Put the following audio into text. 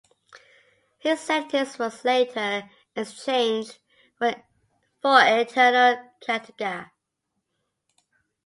His sentence was later exchanged for eternal katorga.